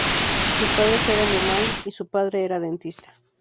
Sus padres eran de Maine, y su padre era dentista.